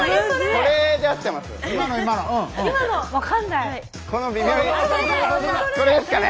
これですかね？